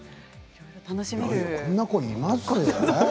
こんな子います？